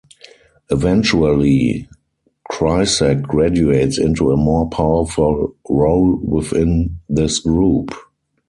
Eventually, Krycek graduates into a more powerful role within this group.